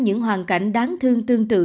những hoàn cảnh đáng thương tương tự